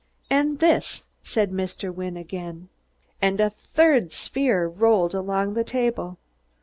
"And this!" said Mr. Wynne again. And a third sphere rolled along the table.